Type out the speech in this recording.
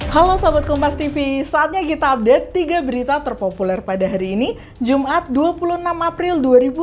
halo selamat ke mas tv saatnya kita update tiga berita terpopuler pada hari ini jumat dua puluh enam april dua ribu dua puluh